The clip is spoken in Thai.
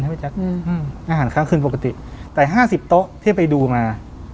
พี่แจ๊คอืมอาหารข้างคืนปกติแต่ห้าสิบโต๊ะที่ไปดูมา